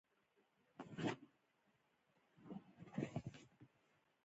خلک اوس د کور له لارې خپل بانکي حسابونه کنټرولوي.